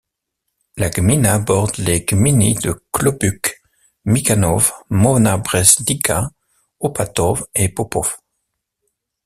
La gmina borde les gminy de Kłobuck, Mykanów, Nowa Brzeźnica, Opatów et Popów.